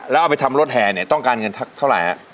แล้วเอาไปทำรถแห่ต้องการเงินเท่าไร